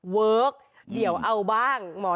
เวิร์คเดี๋ยวเอาบ้างหมอ